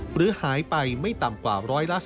หรือหายไปไม่ต่ำกว่า๑๔